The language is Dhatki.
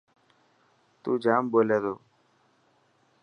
تون جام ٻولي تو.